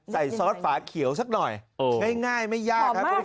ซอสฝาเขียวสักหน่อยง่ายไม่ยากครับคุณผู้ชม